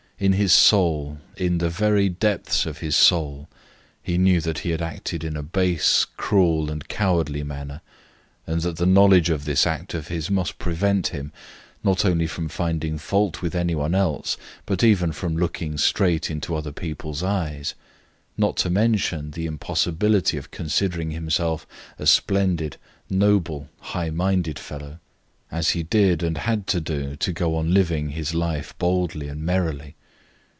In his soul in the very depths of his soul he knew that he had acted in a base, cruel, cowardly manner, and that the knowledge of this act of his must prevent him, not only from finding fault with any one else, but even from looking straight into other people's eyes; not to mention the impossibility of considering himself a splendid, noble, high minded fellow, as he did and had to do to go on living his life boldly and merrily.